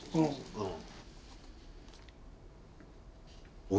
うん。